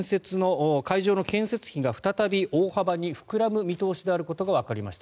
会場の建設費が再び大幅に膨らむ見通しであることがわかりました。